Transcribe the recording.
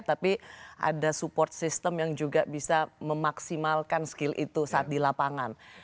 tapi ada support system yang juga bisa memaksimalkan skill itu saat di lapangan